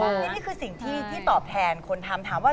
นี่คือสิ่งที่ตอบแทนคนทำ